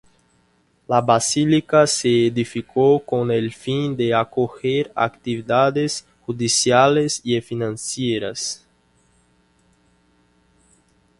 La basílica se edificó con el fin de acoger actividades judiciales y financieras.